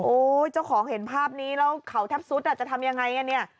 เจ้าของเห็นภาพนี้แล้วเขาแทบสุดอ่ะจะทำยังไงกันเนี่ย